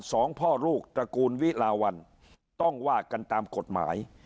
สองพ่อลูกตระกูลวิลาวันต้องว่ากันตามกฎหมาย